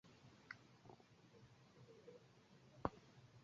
The last to occupy that position was Paul Hellyer.